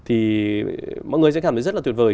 thì mọi người sẽ cảm thấy rất là tuyệt vời